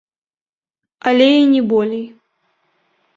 Але і не болей.